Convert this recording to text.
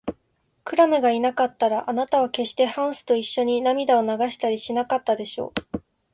クラムがいなかったら、あなたはけっしてハンスといっしょに涙を流したりしなかったでしょう。